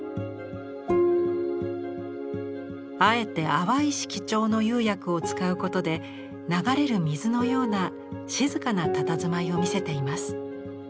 あえて淡い色調の釉薬を使うことで流れる水のような静かなたたずまいを見せています。